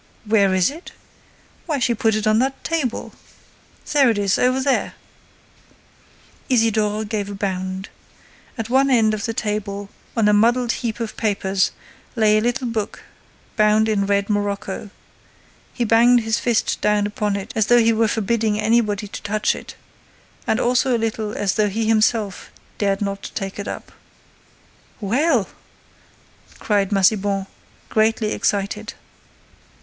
"Where is it? Why, she put it on that table—there it is—over there—" Isidore gave a bound. At one end of the table, on a muddled heap of papers, lay a little book bound in red morocco. He banged his fist down upon it, as though he were forbidding anybody to touch it—and also a little as though he himself dared not take it up. "Well!" cried Massiban, greatly excited.